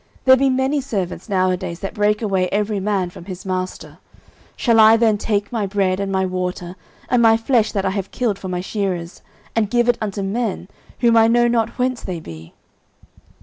there be many servants now a days that break away every man from his master. 09:025:011 Shall I then take my bread, and my water, and my flesh that I have killed for my shearers, and give it unto men, whom I know not whence they be?